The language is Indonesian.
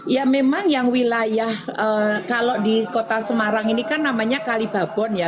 ya memang yang wilayah kalau di kota semarang ini kan namanya kalibabon ya